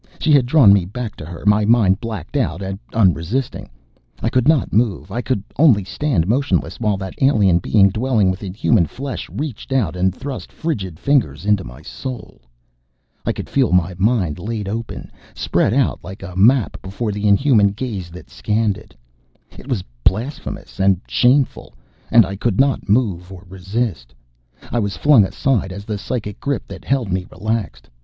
She had drawn me back to her, my mind blacked out and unresisting. I could not move. I could only stand motionless while that Alien being dwelling within human flesh reached out and thrust frigid fingers into my soul. I could feel my mind laid open, spread out like a map before the inhuman gaze that scanned it. It was blasphemous and shameful, and I could not move or resist! I was flung aside as the psychic grip that held me relaxed.